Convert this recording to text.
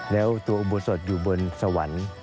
แล้วตัวอุโบสถอยู่บนสวรรค์